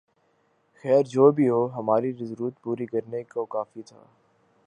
خیر جو بھی ہو ہماری ضرورت پوری کرنے کو کافی تھا